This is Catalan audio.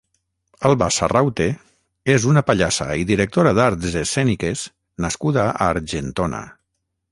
Alba Sarraute és una pallassa i directora d'arts escèniques nascuda a Argentona.